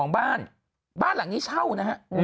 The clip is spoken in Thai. บ้านหลังนี้เช่านะฮะ